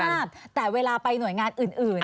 นี่ฉันชัดแต่เวลาไปหน่วยงานอื่นนะ